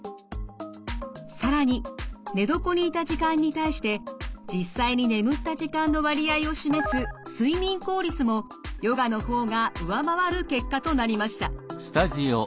更に寝床にいた時間に対して実際に眠った時間の割合を示す睡眠効率もヨガの方が上回る結果となりました。